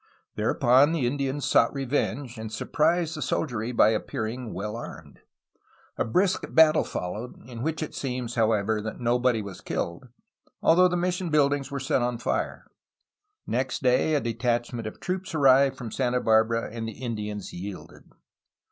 Thereupon, the Indians sought revenge, and surprised the soldiery by appearing well armed. A brisk battle followed, in which it seems, however, that nobody was killed, although the mission buildings were set on fire. Next day a detachment of troops arrived from Santa Barbara, and the Indians yielded.